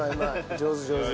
上手上手。